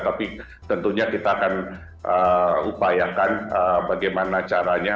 tapi tentunya kita akan upayakan bagaimana caranya